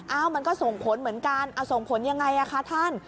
มันก็ส่งผลเหมือนกันส่งผลยังไงคะท่าน